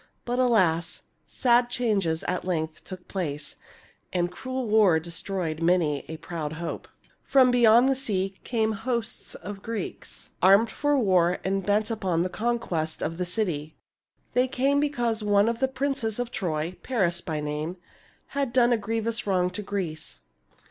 But, alas, sad changes at length took place, and cruel war destroyed many a proud hope. 136 THE FALL OF TROY 1 37 From beyond the sea came hosts of Greeks, armed for war and bent upon the conquest of the city. They came because one of the princes of Troy, Paris by name, had done a grievous wrong to Greece.